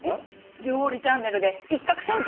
料理チャンネルで一獲千金！